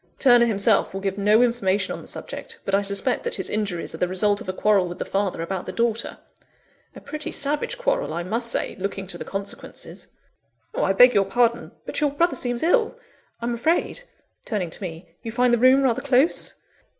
Turner himself will give no information on the subject; but I suspect that his injuries are the result of a quarrel with the father about the daughter a pretty savage quarrel, I must say, looking to the consequences I beg your pardon, but your brother seems ill! I'm afraid," (turning to me), "you find the room rather close?"